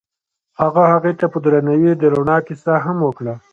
هغه هغې ته په درناوي د رڼا کیسه هم وکړه.